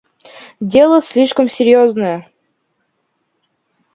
Дело слишком серьезное.